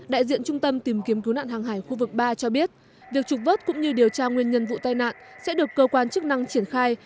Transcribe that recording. đại diện trung tâm tìm kiếm cứu nạn hàng hải khu vực ba cho biết việc trục vớt cũng như điều tra nguyên nhân vụ tai nạn sẽ được cơ quan chức năng triển khai